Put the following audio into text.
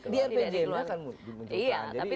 di rpjmd kan